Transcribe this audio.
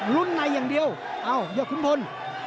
รุ่นในอย่างเดียวเอ้ายอดขุนพล